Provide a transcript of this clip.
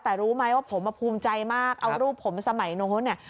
แต่รู้ไหมว่าผมมาภูมิใจมากเอารูปผมสมัยโน้นเนี่ย